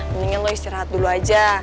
mendingan lo istirahat dulu aja